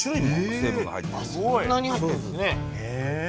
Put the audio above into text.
そんなに入ってるんですね。